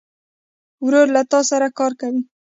ورور له تا سره کار کوي.